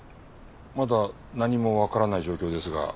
まだ何もわからない状況ですが。